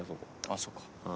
あっそうか。